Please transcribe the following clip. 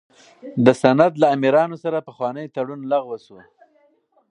د سند له امیرانو سره پخوانی تړون لغوه شو.